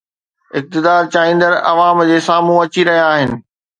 اقتدار چاهيندڙ عوام جي سامهون اچي رهيا آهن.